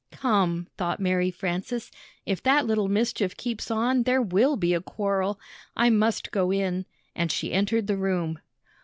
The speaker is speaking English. ''Come," thought Mary Frances. "If that httle mischief keeps on, there will be a quarrel. I must go in," and she entered the room.